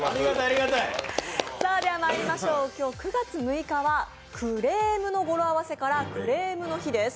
今日９月６日は「クレーム」の語呂合わせからクレームの日です。